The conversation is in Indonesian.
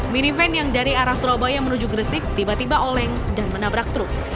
minifan yang dari arah surabaya menuju gresik tiba tiba oleng dan menabrak truk